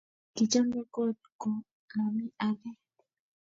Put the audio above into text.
Kichame kot ko mami age